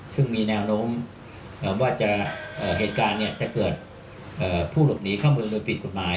ซึ่งมีแนวโน้มว่าเหตุการณ์จะเกิดผู้หลบหนีเข้าเมืองโดยผิดกฎหมาย